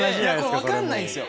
分かんないんですよ。